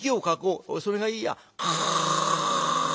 それがいいや」。